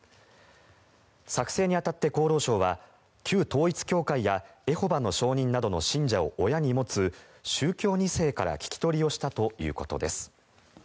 作成に当たって厚労省は旧統一教会やエホバの証人などの信者を親に持つ宗教２世から聞き取りをしたということです。